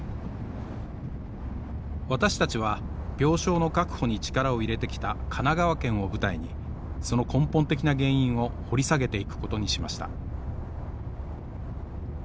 私たちは病床の確保に力を入れてきた神奈川県を舞台にその根本的な原因を掘り下げていくことにしました。